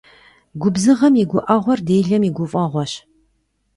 Губзыгъэм и гуӀэгъуэр делэм и гуфӀэгъуэщ.